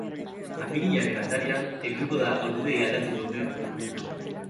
Apirilaren atarian helduko da ordutegia aldatzeko unea.